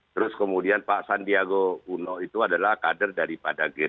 terus kemudian pak sandiago uno itu adalah kader daripada gerindra